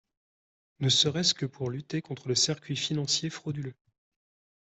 … ne serait-ce que pour lutter contre les circuits financiers frauduleux.